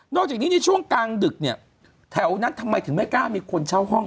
จากนี้ในช่วงกลางดึกเนี่ยแถวนั้นทำไมถึงไม่กล้ามีคนเช่าห้อง